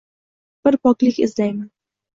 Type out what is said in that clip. Bir poklik izlayman